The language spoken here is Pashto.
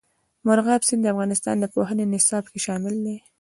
مورغاب سیند د افغانستان د پوهنې نصاب کې شامل دی.